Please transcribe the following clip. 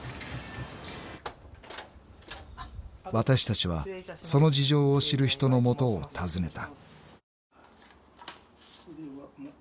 ［私たちはその事情を知る人の元を訪ねた］